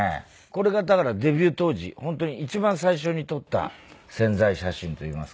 これがだからデビュー当時本当に一番最初に撮った宣材写真といいますか。